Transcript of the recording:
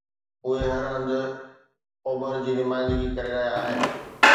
اهي هر هنڌ اوڀر جي نمائندگي ڪري رهيا آهن